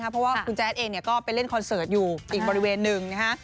เพราะว่าคุณแจ๊ดเองก็ไปเล่นคอนเสิร์ตอยู่อีกบริเวณหนึ่งนะฮะ